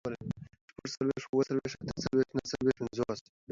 شپږڅلوېښت، اووه څلوېښت، اته څلوېښت، نهه څلوېښت، پينځوس